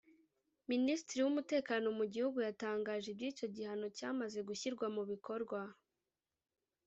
Minisitiri w’Umutekano mu gihugu yatangaje iby’icyo gihano cyamaze gushyirwa mu bikorwa